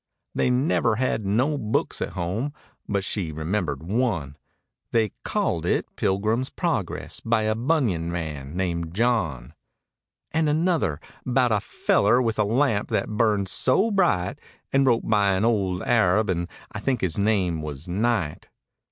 They "never had no books at home" but she re¬ membered one. They "called it Pilgrim's Progress by a bunion man named John." 99 And another " 'bo\it a feller with a lamp that burned so bright, An' wrote by an old Arab an' I think his name was Knight."